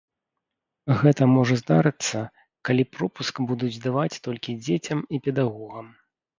Гэта можа здарыцца, калі пропуск будуць даваць толькі дзецям і педагогам.